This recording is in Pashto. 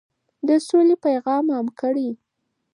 د سولې پیغام عام کړئ.